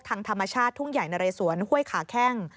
ทางธรรมชาติทุ่งใหญ่นะเรสวนห้วยขาแข้ง